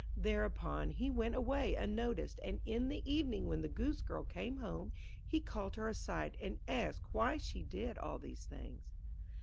Thereupon he went away unnoticed; and in the evening, when the Goosegirl came home, he called her aside and asked why she did all these things.